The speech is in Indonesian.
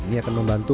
ini akan membantu